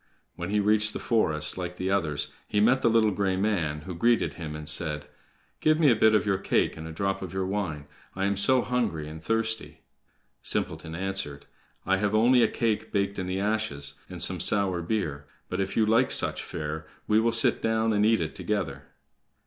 When he reached the forest, like the others, he met the little gray man, who greeted him, and said: "Give me a bit of your cake and a drop of your wine. I am so hungry and thirsty." Simpleton answered: "I have only a cake baked in the ashes, and some sour beer; but, if you like such fare, we will sit down and eat it together."